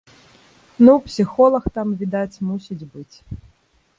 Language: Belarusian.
Ну, псіхолаг там, відаць, мусіць быць.